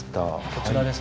こちらですね。